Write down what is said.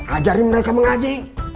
ajari mereka mengaji